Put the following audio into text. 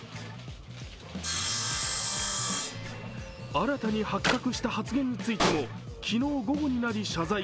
新たに発覚した発言についても昨日午後になり謝罪。